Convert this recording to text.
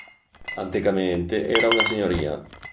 Anticamente era una signoria.